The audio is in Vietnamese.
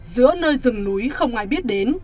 giữa nơi rừng núi không ai biết đến